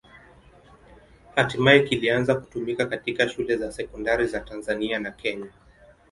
Hatimaye kilianza kutumika katika shule za sekondari za Tanzania na Kenya.